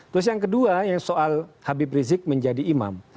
terus yang kedua yang soal habib rizik menjadi imam